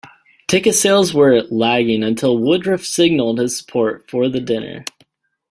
Ticket sales were lagging until Woodruff signaled his support for the dinner.